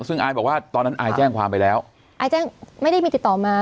ซึ่งอายบอกว่าตอนนั้นอายแจ้งความไปแล้วอายแจ้งไม่ได้มีติดต่อมา